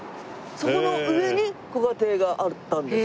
そこの上に古賀邸があったんです。